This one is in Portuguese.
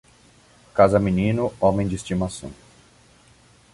Casa menino, homem de estimação.